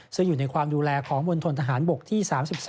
ซึ่งอยู่ในความดูแลของมณฑนทหารบกที่๓๒